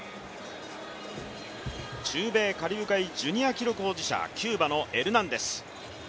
中米カリブ海ジュニア記録保持者、キューバのエルナンデス。